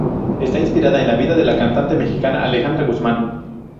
Está inspirada en la vida de la cantante mexicana Alejandra Guzmán.